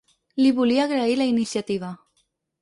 Li volia agrair la iniciativa.